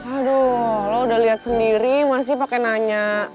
aduh lo udah liat sendiri masih pake nanya